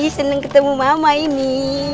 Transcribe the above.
seneng ketemu mama ini